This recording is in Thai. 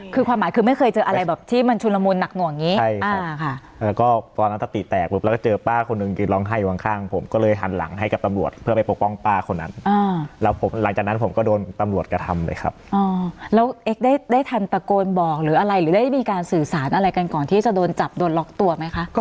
คือความหมายคือไม่เคยเจออะไรแบบที่มันชุนลมุลหนักหน่วงนี้ใช่ค่ะอ่าค่ะแล้วก็ตอนนั้นตัดติแตกปุ๊บแล้วก็เจอป้าคนนึงคือร้องไห้อยู่ข้างข้างผมก็เลยหันหลังให้กับตำลวดเพื่อไปปกป้องป้าคนนั้นอ่าแล้วผมหลังจากนั้นผมก็โดนตำลวดกระทำเลยครับอ๋อแล้วเอกได้ได้ทันตะโกนบอกหรืออะไรหรือได